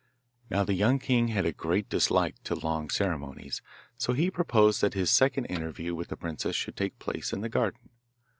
Now the young king had a great dislike to long ceremonies, so he proposed that his second interview with the princess should take place in the garden.